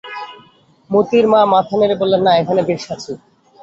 মোতির মা মাথা নেড়ে বললে, না, এখানে বেশ আছি।